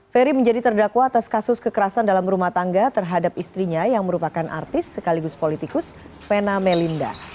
ferry menjadi terdakwa atas kasus kekerasan dalam rumah tangga terhadap istrinya yang merupakan artis sekaligus politikus fena melinda